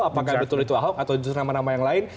apakah betul itu ahok atau justru nama nama yang lain